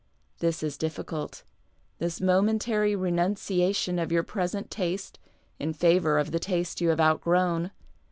This is difficult, this momentary renunciation of your present taste in favour of the taste you have outgrown.